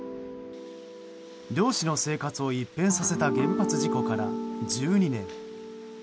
漁師の生活を一変させた原発事故から１２年。